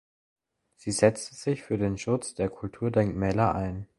Sie setzte sich für den Schutz der Kulturdenkmäler ein.